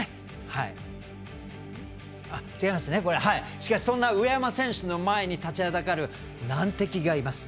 しかし、そんな上山選手の前に立ちはだかる難敵がいます。